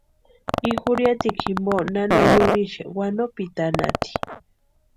I jurhiatikwa jimpo nana yurhixe wanopitanhaati.